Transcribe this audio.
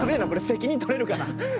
責任とれるかな？